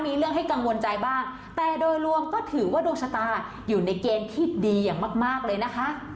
มีเรื่องให้กังวลใจบ้างแต่โดยรวมก็ถือว่าดวงชะตาอยู่ในเกณฑ์ที่ดีอย่างมากเลยนะคะ